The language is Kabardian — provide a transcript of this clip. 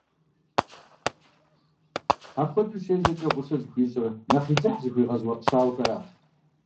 Апхуэдэу щежьэкӀэ гъусэ зыхуищӀыр нэхъ и дзыхь зригъэз уэркъ щауэхэрат.